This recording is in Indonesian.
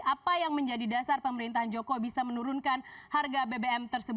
apa yang menjadi dasar pemerintahan jokowi bisa menurunkan harga bbm